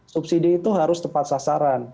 subsidi itu harus tepat sasaran